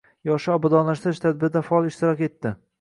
Yoshlar obodonlashtirish tadbirida faol ishtirok etding